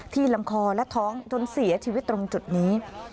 ลำคอและท้องจนเสียชีวิตตรงจุดนี้